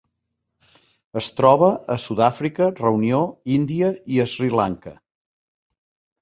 Es troba a Sud-àfrica, Reunió, Índia i Sri Lanka.